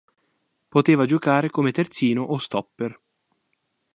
Poteva giocare come terzino o stopper.